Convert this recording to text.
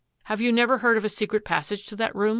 Have you never heard of a secret passage to that room.